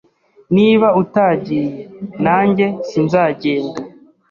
Niba utagiye, nanjye sinzagenda.